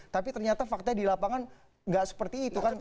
tapi ternyata faktanya di lapangan nggak seperti itu kan